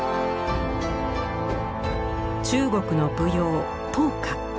中国の舞踊「踏歌」。